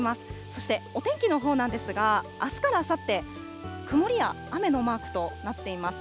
そしてお天気のほうなんですが、あすからあさって、曇りや雨のマークとなっています。